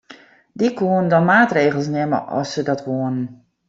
Dy koenen dan maatregels nimme at se dat woenen.